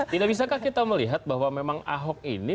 tidak bisakah kita melihat bahwa memang ahok ini